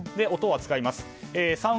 音を扱います。